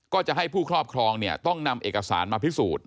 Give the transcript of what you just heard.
ก็จะให้ผู้ครอบครองเนี่ยต้องนำเอกสารมาพิสูจน์